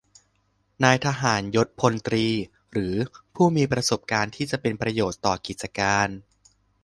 นายทหารยศพลตรี หรือผู้มีประสบการณ์ที่จะเป็นประโยชน์ต่อกิจการ